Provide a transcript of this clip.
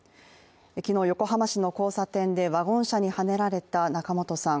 昨日、横浜市の交差点でワゴン車にはねられた仲本さん。